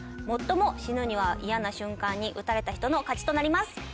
最も死ぬには嫌な瞬間に撃たれた人の勝ちとなります。